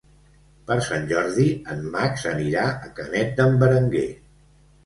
Per Sant Jordi en Max anirà a Canet d'en Berenguer.